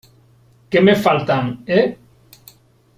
que me faltan ,¿ eh ?